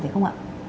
vậy không ạ